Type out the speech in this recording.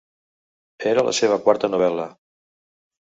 Era la seva quarta novel·la.